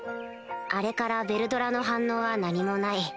あれからヴェルドラの反応は何もない